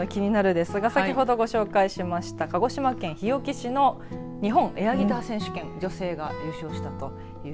ですが先ほどご紹介しました鹿児島県日置市の日本エアギター選手権女性が優勝したという。